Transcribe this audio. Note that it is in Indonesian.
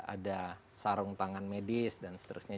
ada sarung tangan medis dan seterusnya